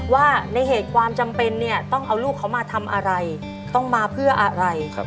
ว่าในเหตุความจำเป็นเนี่ยต้องเอาลูกเขามาทำอะไรต้องมาเพื่ออะไร